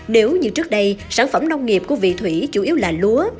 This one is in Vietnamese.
nếu như trước đây sản phẩm nông nghiệp của vị thủy chủ yếu là lúa